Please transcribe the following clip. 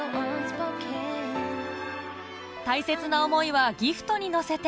大切な思いはギフトに乗せて